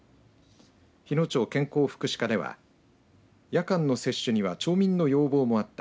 日野町健康福祉課では夜間の接種には町民の要望もあった。